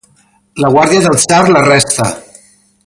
La guàrdia del tsar l'arresta.